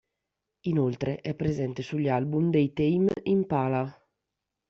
Inoltre è presente sugli album dei Tame Impala